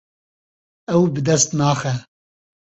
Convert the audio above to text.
Ew bi dest naxe.